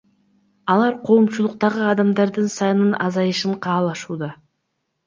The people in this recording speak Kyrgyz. Алар коомчулуктагы адамдардын саны азайышын каалашууда.